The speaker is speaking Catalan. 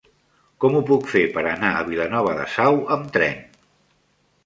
Com ho puc fer per anar a Vilanova de Sau amb tren?